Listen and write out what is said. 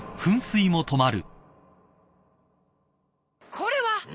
これは！？